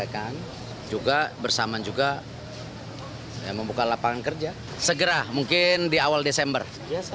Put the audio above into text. akan juga bersamaan juga yang membuka lapangan kerja segera mungkin di awal desember ya saya